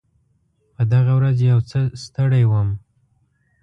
په دغه ورځ یو څه ستړی وم.